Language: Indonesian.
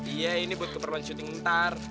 iya ini buat keperluan syuting ntar